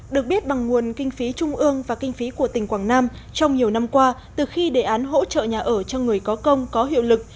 được biết bằng nguồn kinh phí trung ương và kinh phí của tỉnh quảng nam trong nhiều năm qua từ khi đề án hỗ trợ nhà ở cho người có công có hiệu lực